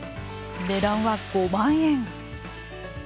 値段は５万円。